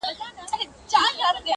ستا وه څادرته ضروت لرمه.